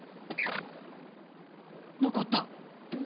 ☎残った。